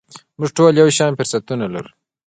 موږ ټول یو شان فرصتونه لرو .